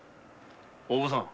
大場さん